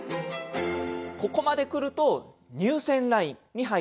ここまで来ると入選ラインに入ってまいります。